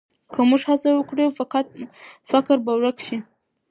که موږ هڅه وکړو، فقر به ورک شي.